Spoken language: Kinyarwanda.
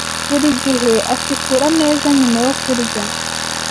Buri gihe asukura ameza nyuma yo kurya.